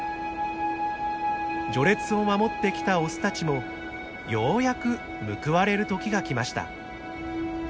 序列を守ってきたオスたちもようやく報われる時が来ました。